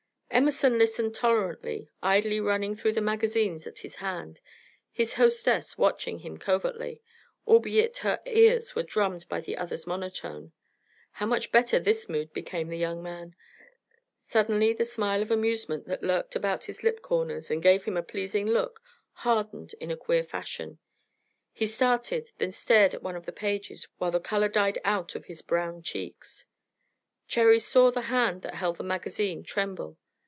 Emerson listened tolerantly, idly running through the magazines at his hand, his hostess watching him covertly, albeit her ears were drummed by the other's monotone. How much better this mood became the young man! Suddenly the smile of amusement that lurked about his lip corners and gave him a pleasing look hardened in a queer fashion he started, then stared at one of the pages while the color died out of his brown cheeks. Cherry saw the hand that held the magazine tremble.